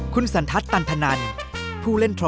คุณสันทัศน์ตันทนันผู้เล่นทรมโบรณ์